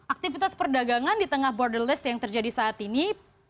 aktivitas perdagangan di tengah borderless yang terjadi saat ini